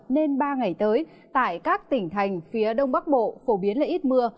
nên ba ngày tới tại các tỉnh thành phía đông bắc bộ phổ biến là ít mưa